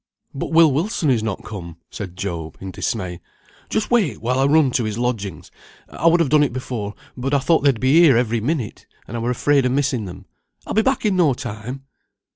"But Will Wilson is not come," said Job, in dismay. "Just wait while I run to his lodgings. I would have done it before, but I thought they'd be here every minute, and I were afraid of missing them. I'll be back in no time."